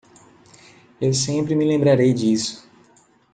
Eu sempre me lembrarei disso.